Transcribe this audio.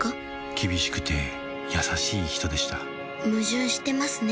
厳しくて優しい人でした矛盾してますね